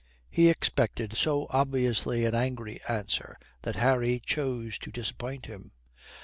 He expected so obviously an angry answer that Harry chose to disappoint him.